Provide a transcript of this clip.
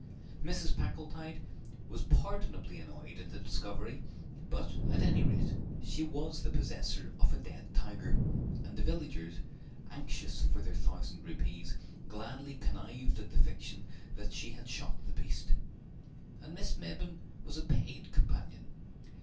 Mrs. Packletide was pardonably annoyed at the discovery; but, at any rate, she was the possessor of a dead tiger, and the villagers, anxious for their thousand rupees, gladly connived at the fiction that she had shot the beast. And Miss Mebbin was a paid companion.